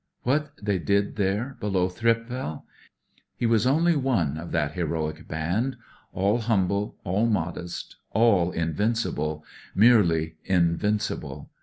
" What they did there below Thi^pval I He was only one of that heroic band ; all humble, aU modest, all mvincible ; merely invincible.